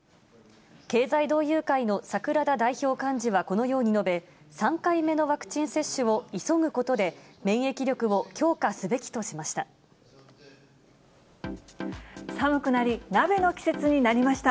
経済同友会の櫻田代表幹事はこのように述べ、３回目のワクチン接種を急ぐことで、寒くなり、鍋の季節になりました。